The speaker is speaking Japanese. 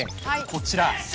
こちら。